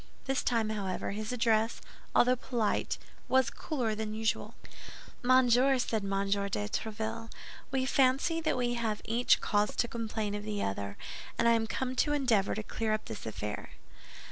This time, however, his address, although polite, was cooler than usual. "Monsieur," said M. de Tréville, "we fancy that we have each cause to complain of the other, and I am come to endeavor to clear up this affair."